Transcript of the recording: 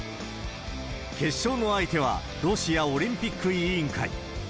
決勝の相手は、ロシアオリンピック委員会。